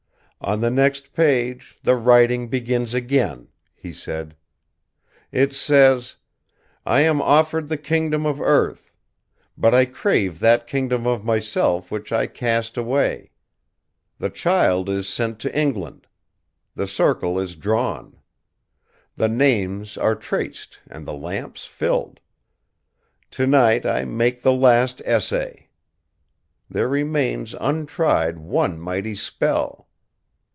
"On the next page, the writing begins again," he said. "It says: "'I am offered the kingdoms of earth. But I crave that kingdom of myself which I cast away. The child is sent to England. The circle is drawn. The names are traced and the lamps filled. Tonight I make the last essay. There remains untried one mighty spell.